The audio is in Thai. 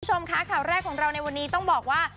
คุณผู้ชมคะข่าวแรกของเราในวันนี้ต้องบอกว่า